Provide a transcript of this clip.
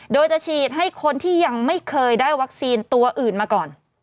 โดยจะฉีดให้คนที่ยังไม่เคยได้วัคซีนตัวอื่นมาก่อน